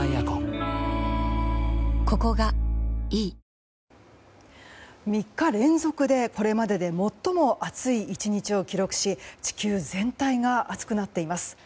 日本の研究チームが温暖化の影響が３日連続でこれまでで最も暑い１日を記録し地球全体が暑くなっています。